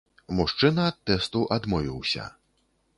Мужчына ад тэсту адмовіўся.